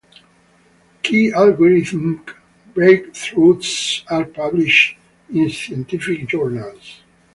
Key algorithmic breakthroughs are published in scientific journals.